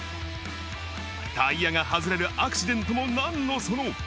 タイヤが外れるアクシデントもなんのその。